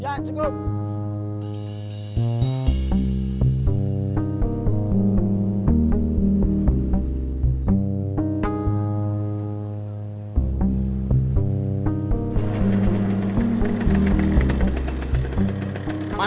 tidak ada yang bisa dihubungi dengan kebenaran